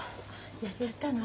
やっちゃったの？